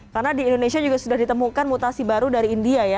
karena di indonesia juga sudah ditemukan mutasi baru dari india ya